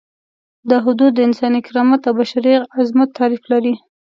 دا حدود د انساني کرامت او بشري عظمت تعریف لري.